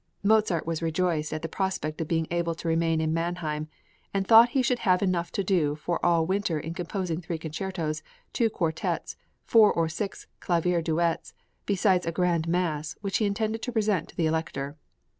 Mozart was rejoiced at the prospect of being able to remain in Mannheim, and thought he should have enough to do for all winter in composing three concertos, two quartets, four or six clavier duets, besides a grand mass, which he intended to present to the Elector.